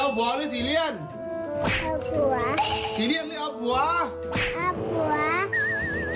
เอาหัว